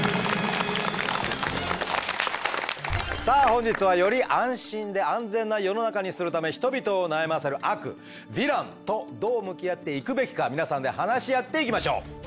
さあ本日はより安心で安全な世の中にするため人々を悩ませる悪ヴィランとどう向き合っていくべきか皆さんで話し合っていきましょう。